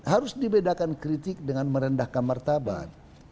harus dibedakan kritik dengan merendahkan martabat